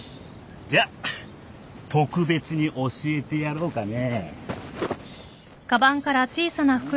じゃあ特別に教えてやろうかね。